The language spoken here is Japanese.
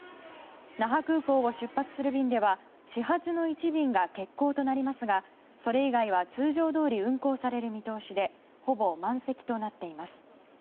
那覇空港を出発する便では始発の１便が欠航となりますがそれ以外は通常どおり運航される見通しでほぼ満席となっています。